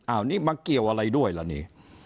อันนี้มาเกี่ยวอะไรด้วยล่ะนี่